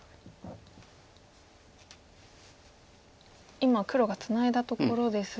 今黒がツナいだところですが。